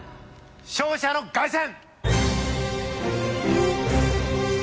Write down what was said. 勝者の凱旋！